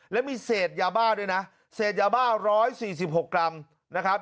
และมีเสพยาบ้าด้วยนะเสพยาบ้า๑๔๖กรัมนะครับ